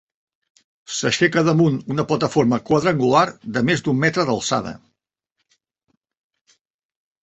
S'aixeca damunt una plataforma quadrangular de més d'un metre d'alçada.